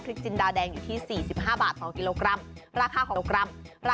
พริกจินดาแดง๔๕บาทต่อกิโลกรัม